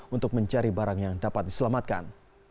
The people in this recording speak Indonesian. untuk mencari barang yang dapat diselamatkan